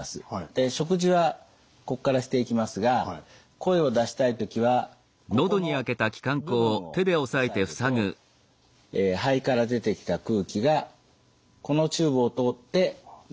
で食事はここからしていきますが声を出したい時はここの部分を押さえると肺から出てきた空気がこのチューブを通って喉に回ります。